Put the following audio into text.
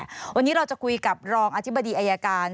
วันนี้เราจะคุยกับรองอธิบดีอายการ